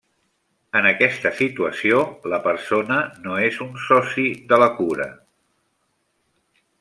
En aquesta situació, la persona no és un soci de la cura.